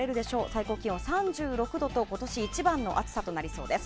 最高気温３６度と今年一番の暑さとなりそうです。